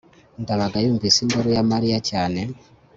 ndabaga yumvise induru ya mariya cyane